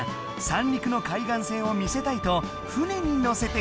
三陸の海岸線を見せたいと船に乗せてくれた！